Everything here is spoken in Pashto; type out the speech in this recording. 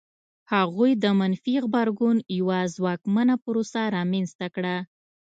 هغوی د منفي غبرګون یوه ځواکمنه پروسه رامنځته کړه.